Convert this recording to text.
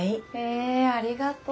えありがとう。